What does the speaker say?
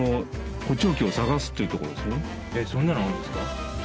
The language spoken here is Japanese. そんなのあるんですか？